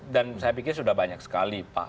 dan saya pikir sudah banyak sekali pak